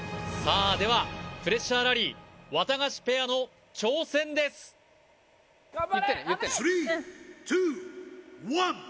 さあではプレッシャーラリーワタガシペアの挑戦です言ってね言ってねうん